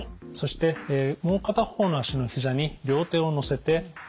そしてもう片方の足のひざに両手をのせて。